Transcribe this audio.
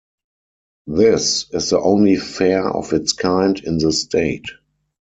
This is the only fair of its kind in the state.